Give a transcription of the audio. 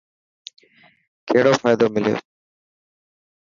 ڪهڙو فائدو مليو؟